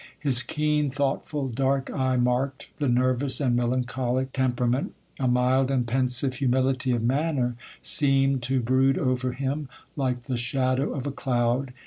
His keen, thoughtful dark eye marked the nervous and melancholic temperament. A mild and pensive humility of manner seemed to brood over him, like the shadow of a cloud.